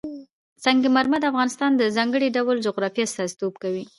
سنگ مرمر د افغانستان د ځانګړي ډول جغرافیه استازیتوب کوي.